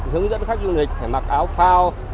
hướng dẫn khách du lịch phải mặc áo phao